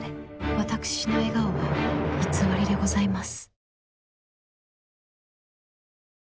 私の笑顔は偽りでございます。